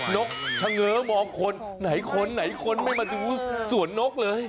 นกชะเงอบอกคนไหนคนไม่มาดูสวนนกเลย